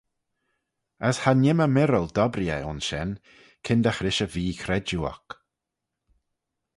As cha nhimmey mirril dobbree eh ayns shen, kyndagh rish y vee-chredjue oc.